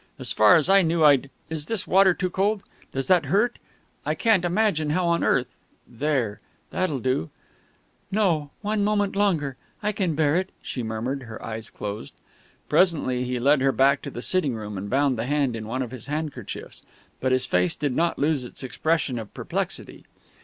As far as I knew I'd ... is this water too cold? Does that hurt? I can't imagine how on earth ... there; that'll do " "No one moment longer I can bear it," she murmured, her eyes closed.... Presently he led her back to the sitting room and bound the hand in one of his handkerchiefs; but his face did not lose its expression of perplexity.